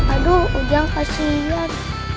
aduh ujang kasihan